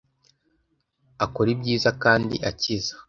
Akora ibyiza kandi akiza